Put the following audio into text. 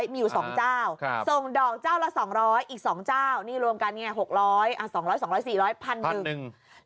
มีอยู่๒เจ้าส่งดอกเจ้าละ๒๐๐อีก๒เจ้านี่รวมกันไง๖๐๐อ่ะ๒๐๐๒๐๐๔๐๐พันหนึ่ง